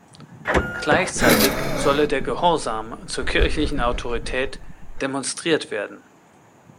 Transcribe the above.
Gleichzeitig solle der Gehorsam zur kirchlichen Autorität demonstriert werden.